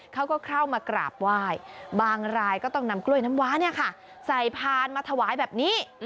เขาก็เข้ามากราบไหว้บางรายก็ต้องนำกล้วยน้ำว้าใส่พานมาถวายแบบนี้